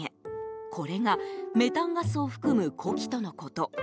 これがメタンガスを含む呼気とのこと。